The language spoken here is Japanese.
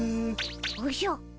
おじゃ。